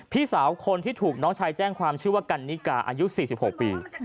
พี่สาวคนที่ถูกน้องชายแจ้งความชื่อว่ากันนิกาอายุ๔๖ปี